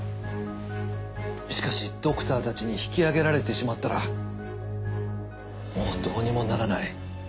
しかしドクターたちに引き上げられてしまったらもうどうにもならない。